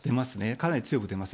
かなり強く出ます。